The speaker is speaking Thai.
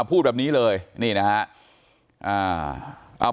วันนี้เลยนี่นะฮะ